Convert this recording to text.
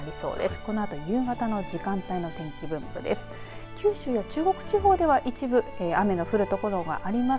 このあと夕方の時間帯の天気分布です。